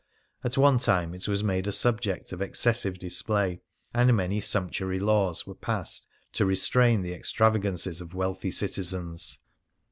At one time it was made a sub ject of excessive display, and many sumptuary laws were passed to restrain the extravagances of wealthy citizens.